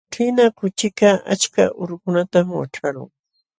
Ćhina kuchikaq achka urukunatam waćhaqlun.